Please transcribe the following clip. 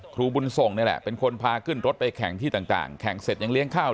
ครูบุญส่งนี่แหละเป็นคนพาขึ้นรถไปแข่งที่ต่างแข่งเสร็จยังเลี้ยงข้าว